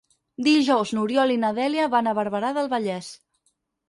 Dijous n'Oriol i na Dèlia van a Barberà del Vallès.